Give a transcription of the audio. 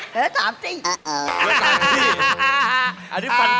เหลือ๓สิ